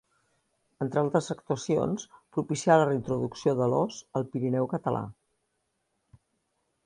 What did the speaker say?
Entre altres actuacions, propicià la reintroducció de l'ós al Pirineu català.